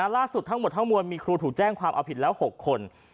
ทั้งหมดทั้งมวลมีครูถูกแจ้งความเอาผิดแล้ว๖คน